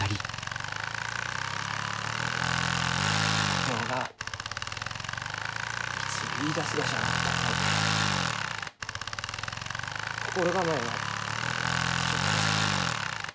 竹雄がいつ言いだすがじゃろうと思うて心構えはしちょったがじゃけんど。